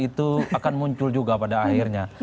itu akan muncul juga pada akhirnya